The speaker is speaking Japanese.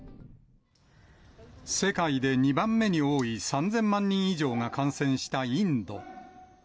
世界で２番目に多い３０００万人以上が感染したインド。